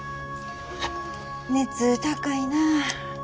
熱高いな。